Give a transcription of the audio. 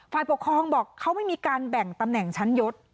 ฝ่ายปกครองบอกเขาไม่มีการแบ่งตำแหน่งชั้นยศ